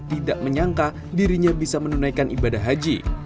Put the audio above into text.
tidak menyangka dirinya bisa menunaikan ibadah haji